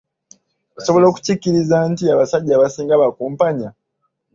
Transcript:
Osobola okukikkiriza nti abasajja abasinga bakumpanya?